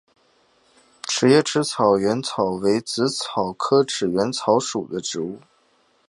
匙叶齿缘草为紫草科齿缘草属的植物。